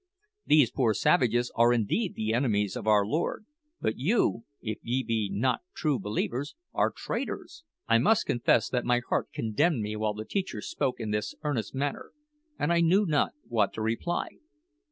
These poor savages are indeed the enemies of our Lord; but you, if ye be not true believers, are traitors!" I must confess that my heart condemned me while the teacher spoke in this earnest manner, and I knew not what to reply.